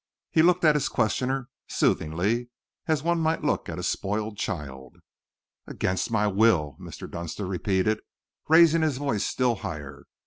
He looked at his questioner soothingly, as one might look at a spoiled child. "Against my will?" Mr. Dunster repeated, raising his voice still higher. "Mr.